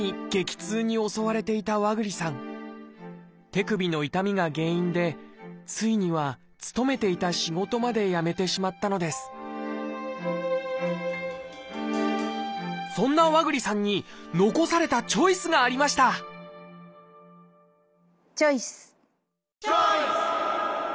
手首の痛みが原因でついには勤めていた仕事まで辞めてしまったのですそんな和栗さんに残されたチョイスがありましたチョイス！